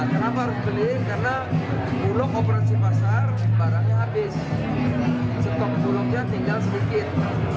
karena operasi pasar barangnya habis tinggal sedikit